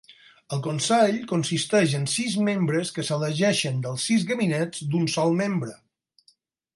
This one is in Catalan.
El consell consisteix en sis membres que s'elegeixen dels sis gabinets d'un sol membre.